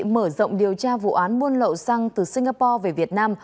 mở rộng điều tra vụ án buôn lậu xăng từ singapore về việt nam